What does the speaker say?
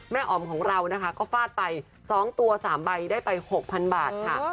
อ๋อมของเรานะคะก็ฟาดไป๒ตัว๓ใบได้ไป๖๐๐๐บาทค่ะ